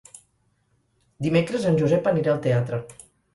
Dimecres en Josep anirà al teatre.